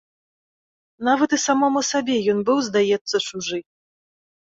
Нават і самому сабе ён быў, здаецца, чужы.